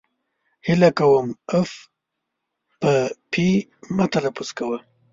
هیله کوم اف په پي مه تلفظ کوی!